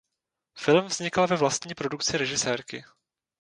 Film vznikal ve vlastní produkci režisérky.